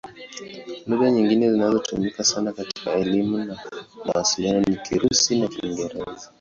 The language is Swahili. Lugha nyingine zinazotumika sana katika elimu na mawasiliano ni Kirusi na Kiingereza.